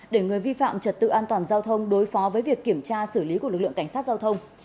để người vi phạm trật tự an toàn giao thông đối phó với việc kiểm tra xử lý của lực lượng cảnh sát giao thông